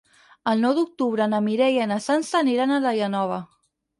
El nou d'octubre na Mireia i na Sança aniran a Daia Nova.